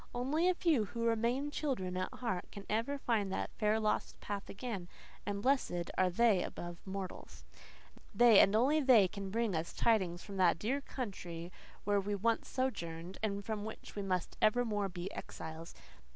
Only a few, who remain children at heart, can ever find that fair, lost path again; and blessed are they above mortals. They, and only they, can bring us tidings from that dear country where we once sojourned and from which we must evermore be exiles.